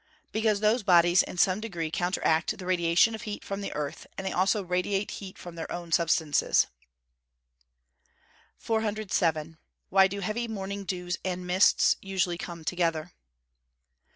_ Because those bodies in some degree counteract the radiation of heat from the earth; and they also radiate heat from their own substances. 407. _Why do heavy morning dews and mists usually come together?